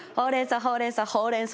ほうれん草ほうれん草。